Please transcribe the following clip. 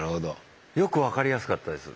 よく分かりやすかったです。